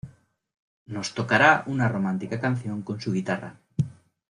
Nos tocará una romántica canción con su guitarra.